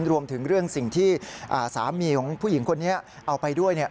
รวมถึงเรื่องสิ่งที่สามีของผู้หญิงคนนี้เอาไปด้วย